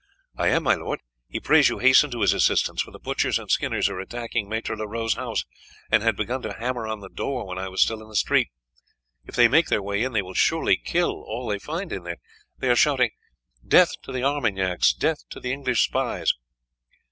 'I am, my lord. He prays you hasten to his assistance, for the butchers and skinners are attacking Maître Leroux's house, and had begun to hammer on the door when I was still in the street. If they make their way in, they will surely kill all they find in there. They are shouting, 'Death to the Armagnacs! Death to the English spies!'